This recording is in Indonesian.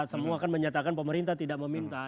semua kan menyatakan pemerintah tidak meminta